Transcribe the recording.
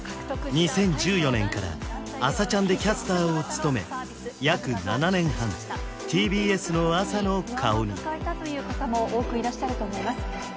２０１４年から「あさチャン！」でキャスターを務め約７年半ＴＢＳの朝の顔に不安を抱えたという方も多くいらっしゃると思います